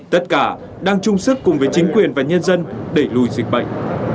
tất cả đang chung sức cùng với chính quyền và nhân dân đẩy lùi dịch bệnh